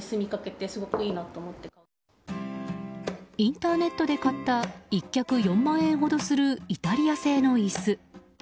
インターネットで買った１脚４万円ほどするイタリア製の椅子。